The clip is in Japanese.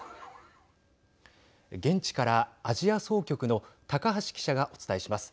現地からアジア総局の高橋記者がお伝えします。